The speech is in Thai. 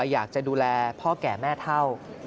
อยากจะดูแลพ่อแก่แม่เท่า